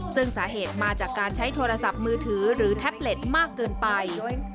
ซึ่งสาเหตุมาจากการใช้โทรศัพท์มือถือหรือแท็บเล็ตมากเกินไป